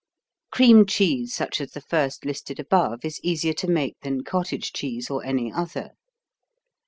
Cream cheese such as the first listed above is easier to make than cottage cheese or any other.